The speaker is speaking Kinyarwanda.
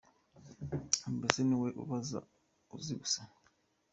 Mbese, ni we uba uzi gusa.